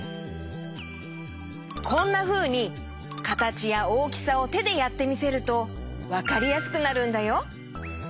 こんなふうにかたちやおおきさをてでやってみせるとわかりやすくなるんだよ。